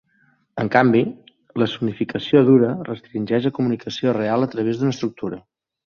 En canvi, la zonificació dura restringeix la comunicació real a través d'una estructura.